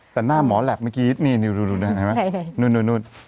แต่หน้าหมอแล็บเมื่อกี้นี่ดูที่ไหนไหมนู่นนู่น